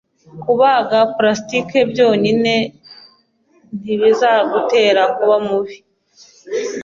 Kubaga plastique byonyine ntibizagutera kuba mubi.